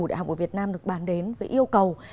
đại học ở việt nam được bàn đến với yêu cầu